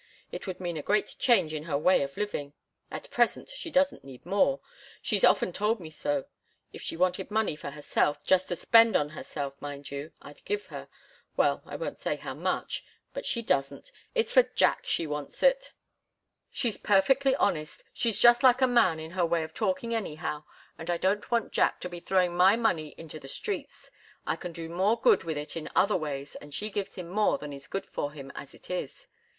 It would mean a great change in her way of living. At present she doesn't need more. She's often told me so. If she wanted money for herself, just to spend on herself, mind you I'd give her well, I won't say how much. But she doesn't. It's for Jack that she wants it. She's perfectly honest. She's just like a man in her way of talking, anyhow. And I don't want Jack to be throwing my money into the streets. I can do more good with it in other ways, and she gives him more than is good for him, as it is.